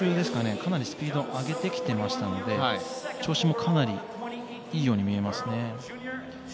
さらにスピードを上げてきていましたので調子もかなりいいように見えますね。